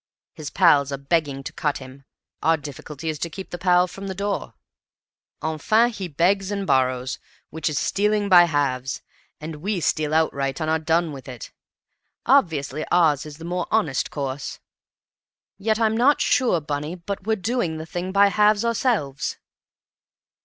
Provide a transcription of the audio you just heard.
His pals are beginning to cut him; our difficulty is to keep the pal from the door. Enfin, he begs or borrows, which is stealing by halves; and we steal outright and are done with it. Obviously ours is the more honest course. Yet I'm not sure, Bunny, but we're doing the thing by halves ourselves!"